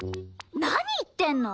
何言ってんの！？